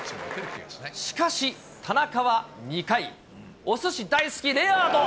しかし、田中は２回、おすし大好き、レアード。